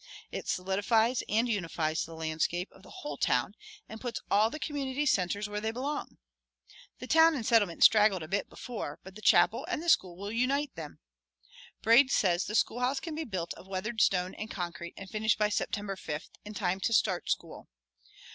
It solidifies and unifies the landscape of the whole town and puts all the community centers where they belong. The Town and Settlement straggled a bit before, but the chapel and the school will unite them! Braid says the schoolhouse can be built of weathered stone and concrete and finished by September fifth, in time to start school.